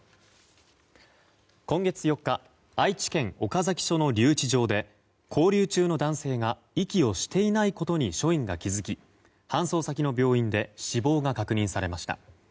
今月４日愛知県岡崎署の留置場で勾留中の男性が息をしていないことに署員が気付き、搬送先の病院で死亡が確認されました。